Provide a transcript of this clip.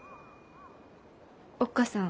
おっ母さん。